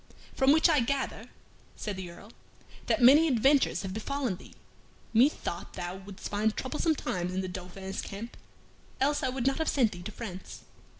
"From which I gather," said the Earl, "that many adventures have befallen thee. Methought thou wouldst find troublesome times in the Dauphin's camp, else I would not have sent thee to France."